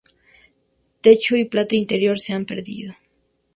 Techo y planta interior se han perdido.